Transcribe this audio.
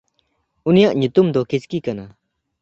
ᱩᱱᱤᱭᱟᱜ ᱧᱩᱛᱩᱢ ᱫᱚ ᱠᱤᱪᱠᱤ ᱠᱟᱱᱟ᱾